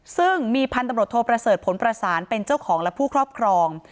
ซึ่งมีพันธุ์ตำรวจโทประเสริฐผลประสานเป็นเจ้าของและผู้ครอบครอง